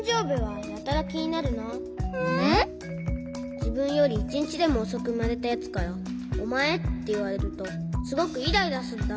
じぶんより１にちでもおそくうまれたやつから「おまえ」っていわれるとすごくイライラすんだ。